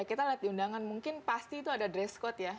ya kita lihat di undangan mungkin pasti itu ada dress code ya